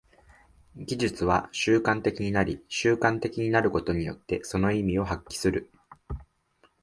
技術は習慣的になり、習慣的になることによってその意味を発揮する。